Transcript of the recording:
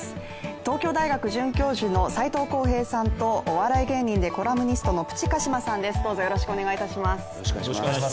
東京大学准教授の斎藤幸平さんとお笑い芸人でコラムニストのプチ鹿島さんです。